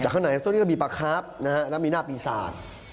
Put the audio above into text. แต่ข้างในต้นนี้ก็มีปลาคาร์ฟนะฮะแล้วมีหน้าปีศาจ